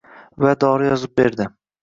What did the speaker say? Va dori yozib berdi